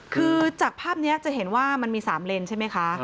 คือจากภาพนี้จะเห็นว่ามันมี๓เลนใช่ไหมคะ